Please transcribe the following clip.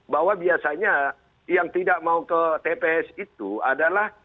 bahwa biasanya yang tidak mau ke tps itu adalah